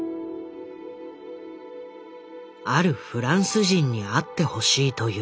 あるフランス人に会ってほしいという。